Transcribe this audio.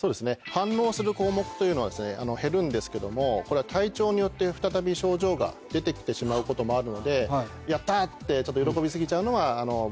反応する項目というのは減るんですけどもこれは体調によって再び症状が出てきてしまうこともあるのでやった！ってよろこびすぎちゃうのは。